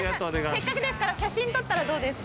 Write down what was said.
せっかくですから写真撮ったらどうですか？